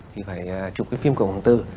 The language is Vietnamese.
thì phải chụp cái phim của quảng quảng từ